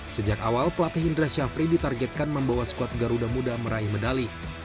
sejak awal pelatih indra syafri ditargetkan membawa skuad garuda muda meraih medali